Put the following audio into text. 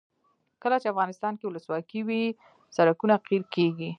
کله چې افغانستان کې ولسواکي وي سړکونه قیر کیږي.